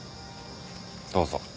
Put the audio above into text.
どうぞ。